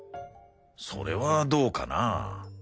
それはどうかな？